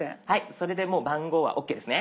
それでもう番号はＯＫですね。